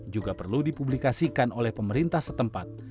juga perlu dipublikasikan oleh pemerintah setempat